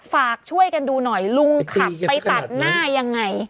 ฝากช่วยกันดูหน่อยลุงขับไปตัดหน้ายังไง